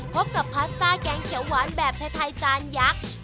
พบกับพาสต้าแกงเขียวหวานแบบไทยจานยักษ์